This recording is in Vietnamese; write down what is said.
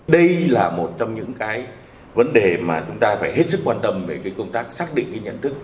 đây là một trong những vấn đề mà chúng ta phải hết sức quan tâm về công tác xác định nhận thức